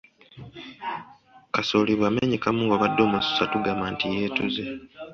Kasooli bw’amenyekamu ng’obadde omususa tugamba nti yeetuze.